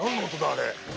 あれ。